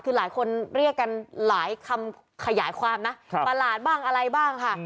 คือหลายคนเรียกกันหลายคำขยายความนะประหลาดบ้างอะไรบ้างค่ะ